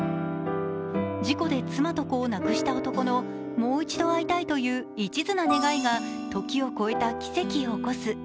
事故で妻と子を亡くした男のもう一度会いたいといういちずな願いが時を超えた奇跡を起こす。